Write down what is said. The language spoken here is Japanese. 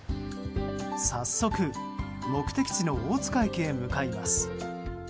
早速、目的地の大塚駅へ向かいます。